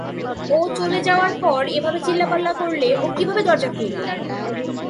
ও চলে যাওয়ার পর এভাবে চিল্লাপাল্লা করলে ও কীভাবে দরজা খুলবে?